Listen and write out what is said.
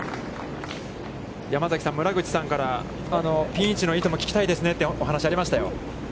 山崎さん、村口さんからピン位置の意図も聞きたいですねというお話もありましたよ。